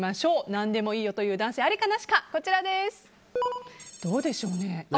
何でもいいという男性ありかなしかどうでしょうか。